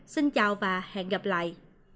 xin chào và hẹn gặp lại